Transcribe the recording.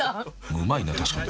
［うまいな確かに］